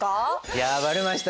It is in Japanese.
いやばれました。